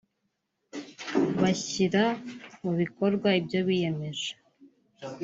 bashyira mu bikorwa ibyo biyemeje